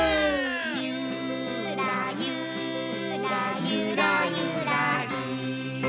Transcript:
「ゆーらゆーらゆらゆらりー」